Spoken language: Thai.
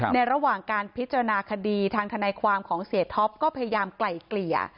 ระหว่างการพิจารณาคดีทางทนายความของเสียท็อปก็พยายามไกล่เกลี่ย